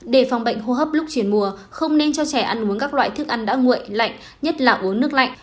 để phòng bệnh hô hấp lúc chuyển mùa không nên cho trẻ ăn uống các loại thức ăn đã nguội lạnh nhất là uống nước lạnh